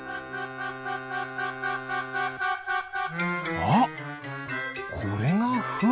あっこれがフン！